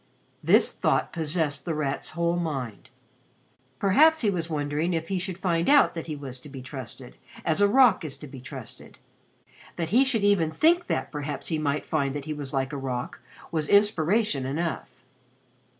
This thought possessed The Rat's whole mind. Perhaps he was wondering if he should find out that he was to be trusted, as a rock is to be trusted. That he should even think that perhaps he might find that he was like a rock, was inspiration enough.